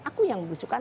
aku yang berusukan